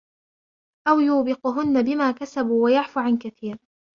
أو يوبقهن بما كسبوا ويعف عن كثير